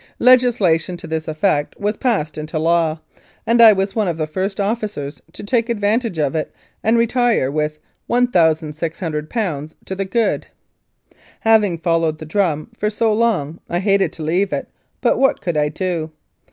Legislation to this effect was passed into law, and I was one of the first officers to take advantage of it, and retire with ;i,6oo to the good. Having followed the drum for so long, I hated to leave it, but what could I d3?